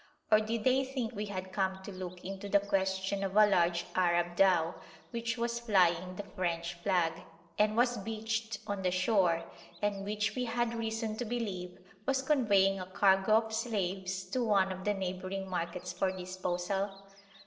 Or did they think we had come to look into the question of a large Arab dhow, which was flying the French flag, and was beached on the shore, and which we had reason to believe was conveying a cargo of slaves to one of the neighbouring markets for disposal?